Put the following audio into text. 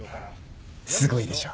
すごいでしょ。